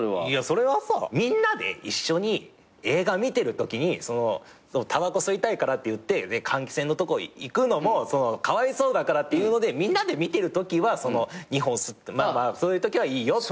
いやそれはさみんなで一緒に映画見てるときにたばこ吸いたいからっていって換気扇のとこ行くのもかわいそうだからっていうのでみんなで見てるときは２本まあまあそういうときはいいよ。